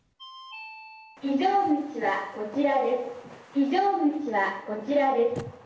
非常口はこちらです。